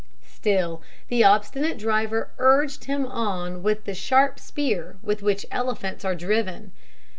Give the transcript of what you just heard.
Still, the obstinate driver urged him on with the sharp spear with which elephants are driven.